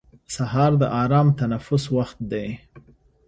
سهار د ارام تنفس وخت دی.